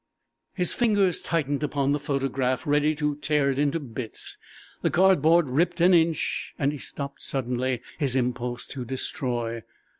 His fingers tightened upon the photograph, ready to tear it into bits. The cardboard ripped an inch and he stopped suddenly his impulse to destroy.